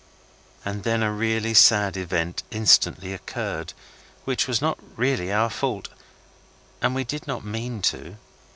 And then a really sad event instantly occurred, which was not really our fault, and we did not mean to.